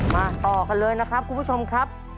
มาต่อกันเลยนะครับคุณผู้ชมครับ